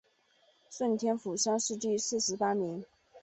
顺天府乡试第四十八名。